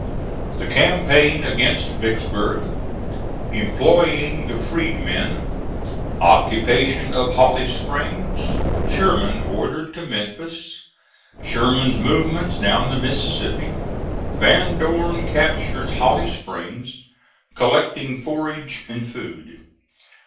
THE CAMPAIGN AGAINST VICKSBURG EMPLOYING THE FREEDMEN OCCUPATION OF HOLLY SPRINGS SHERMAN ORDERED TO MEMPHIS SHERMAN'S MOVEMENTS DOWN THE MISSISSIPPI VAN DORN CAPTURES HOLLY SPRINGS COLLECTING FORAGE AND FOOD.